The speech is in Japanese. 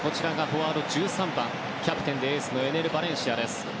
フォワード１３番キャプテンでエースのエネル・バレンシアです。